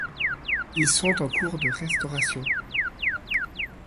Ils sont en cours de restauration.